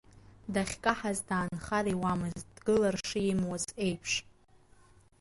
Дахькаҳаз даанхар иуамызт, дгылар шимуаз еиԥш.